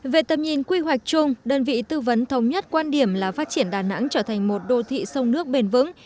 về tầm nhìn quy hoạch chung đơn vị tư vấn thống nhất quan điểm là phát triển đà nẵng trở thành một đô thị sông nước bền vững